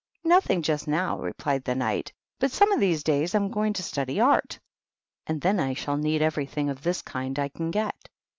"Nothing just now," replied the Knight; "but some of these days I am going to study Art, and then I shall need everything of this kind I can get."